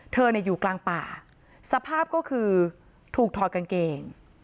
เธอเนี่ยอยู่กลางป่าสภาพก็คือถูกถอดกางเกง